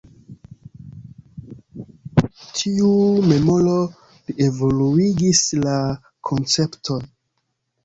El ĉi tiu memoro li evoluigis la koncepton.